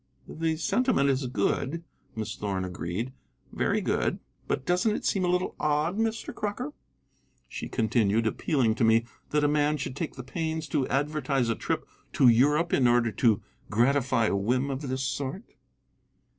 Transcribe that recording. "The sentiment is good," Miss Thorn agreed, "very good. But doesn't it seem a little odd, Mr. Crocker," she continued, appealing to me, "that a man should take the pains to advertise a trip to Europe in order to gratify a whim of this sort?"